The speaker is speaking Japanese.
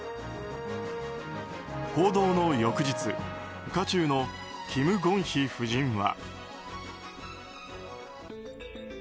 報道の翌日渦中のキム・ゴンヒ夫人は。